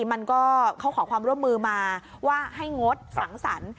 มันก็เขาขอความร่วมมือมาว่าให้งดสังสรรค์